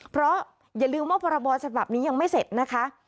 เพราะอย่าลืมว่าพรบฉบับนี้ยังไม่เสร็จนะคะ